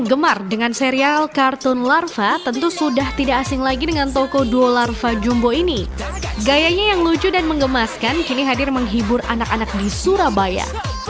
bagaimana keseruannya berikut liputannya